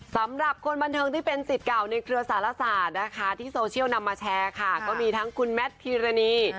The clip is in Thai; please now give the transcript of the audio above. สำหรับคนบันเทิงที่เป็นสิทธิ์เก่าในเครือสารศาสตร์นะคะที่โซเชียลนำมาแชร์ค่ะก็มีทั้งคุณแมทพีรณี